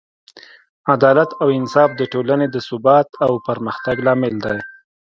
عدالت او انصاف د ټولنې د ثبات او پرمختګ لامل دی.